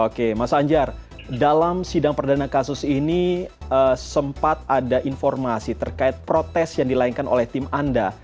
oke mas anjar dalam sidang perdana kasus ini sempat ada informasi terkait protes yang dilainkan oleh tim anda